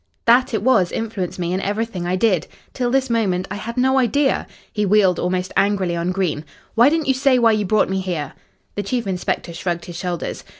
That it was influenced me in everything I did. Till this moment, I had no idea " He wheeled almost angrily on Green. "Why didn't you say why you brought me here?" The chief inspector shrugged his shoulders.